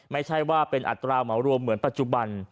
ไม่ใช่ว่าเป็นอัตราเหมารวมเหมือนปัจจุบัน